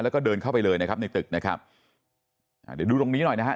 แล้วก็เดินเข้าไปเลยนะครับในตึกนะครับอ่าเดี๋ยวดูตรงนี้หน่อยนะฮะ